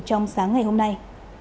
trong sáng ngày hôm nay